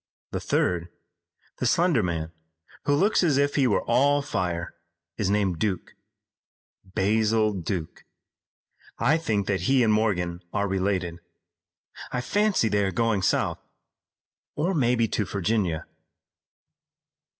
The third, the slender man who looks as if he were all fire, is named Duke, Basil Duke. I think that he and Morgan are related. I fancy they are going south, or maybe to Virginia."